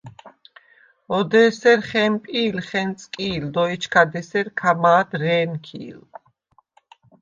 ოდ’ ე̄სერ ხე̄მპი̄ლ, ხე̄ნწკი̄ლ, დო ეჩქად ესერ ქა მა̄დ რე̄ნქი̄ლ.